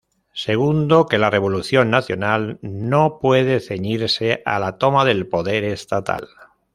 Segundo, que la revolución nacional no puede ceñirse a la toma del poder estatal.